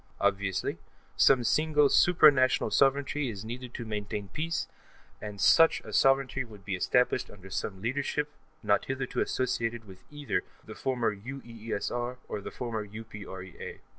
Obviously, some single supra national sovereignty is needed to maintain peace, and such a sovereignty should be established under some leadership not hitherto associated with either the former UEESR or the former UPREA.